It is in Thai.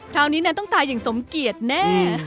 คราวนี้แนนต้องตายอย่างสมเกียจแน่